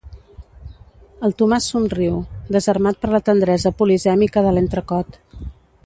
El Tomàs somriu, desarmat per la tendresa polisèmica de l'entrecot.